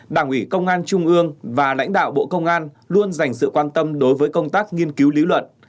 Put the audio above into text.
đảng ủy công an trung ương và lãnh đạo bộ công an luôn dành sự quan tâm đối với công tác nghiên cứu lý luận